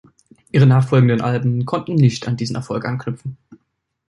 Ihre nachfolgenden Alben konnten nicht an diesen Erfolg anknüpfen.